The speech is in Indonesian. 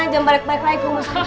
jangan balik balik lagi ke rumah sakit